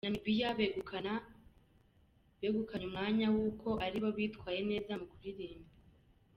Namibia begukana begukanye umwanya w’uko aribo bitwaye neza mukuririmba.